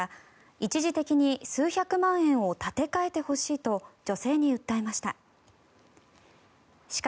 一時的に数百万円を立て替えてほしいと女性に訴えました。